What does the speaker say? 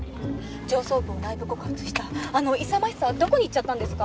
上層部を内部告発したあの勇ましさはどこにいっちゃったんですか？